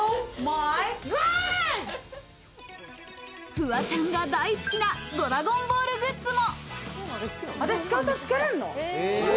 フワちゃんが大好きな『ドラゴンボール』グッズも。